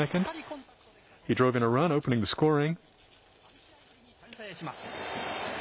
３試合ぶりに先制します。